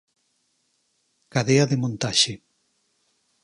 Cadea de montaxe.